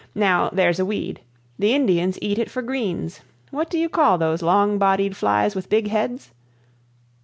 Now, there's a weed; the Indians eat it for greens. What do you call those long bodied flies with big heads?"